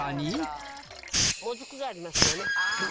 もずくがありますよね。